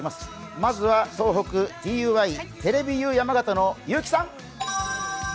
まずは東北ＴＵＹテレビユー山形の結城さん。